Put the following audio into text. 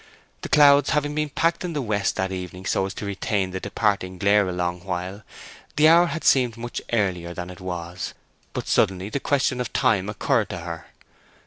The clouds having been packed in the west that evening so as to retain the departing glare a long while, the hour had seemed much earlier than it was. But suddenly the question of time occurred to her.